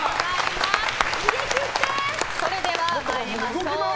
それでは参りましょう。